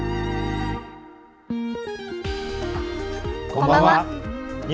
こんばんは。